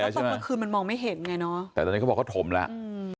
ตอนกลางคืนมันมองไม่เห็นไงเนอะแต่ตอนนี้เขาบอกเขาถมแล้วอืม